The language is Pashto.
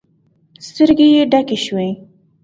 سترګې يې ډکې شوې.